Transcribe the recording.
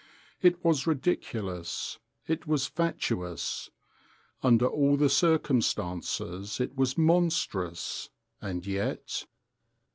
It was ridiculous, it was fatuous, under all the circumstances it was monstrous, and yet{...